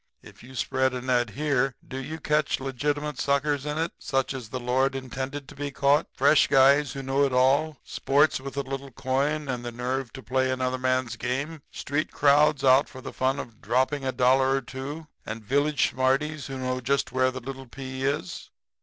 If you spread a net here, do you catch legitimate suckers in it, such as the Lord intended to be caught fresh guys who know it all, sports with a little coin and the nerve to play another man's game, street crowds out for the fun of dropping a dollar or two and village smarties who know just where the little pea is?